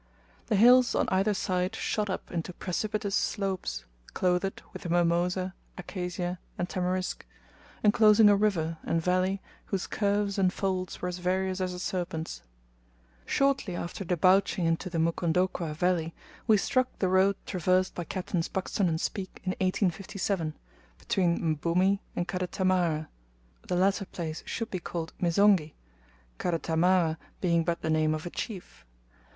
The hills on either side shot up into precipitous slopes, clothed with mimosa, acacia, and tamarisk, enclosing a river and valley whose curves and folds were as various as a serpent's. Shortly after debouching into the Mukondokwa valley, we struck the road traversed by Captains Buxton and Speke in 1857, between Mbumi and Kadetamare (the latter place should be called Misonghi, Kadetamare being but the name of a chief).